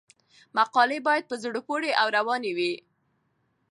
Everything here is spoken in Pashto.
مقالې باید په زړه پورې او روانې وي.